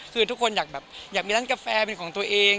คือทุกคนอยากมีด้านกาแฟเป็นของตัวเอง